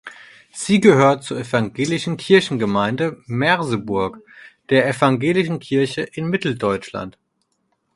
Sie gehört zur evangelischen Kirchengemeinde Merseburg der Evangelischen Kirche in Mitteldeutschland.